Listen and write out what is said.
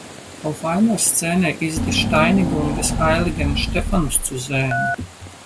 Auf einer Szene ist die Steinigung des heiligen Stephanus zu sehen.